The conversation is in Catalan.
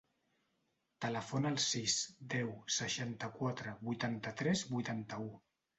Telefona al sis, deu, seixanta-quatre, vuitanta-tres, vuitanta-u.